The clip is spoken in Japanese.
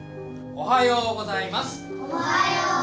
おはようございます。